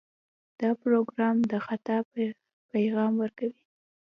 دا پروګرام د خطا پیغام ورکوي.